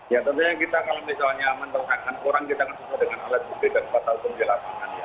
ya tentunya kalau misalnya kita menerangkan orang kita akan berusaha dengan alat bukti dan fatal penjelasan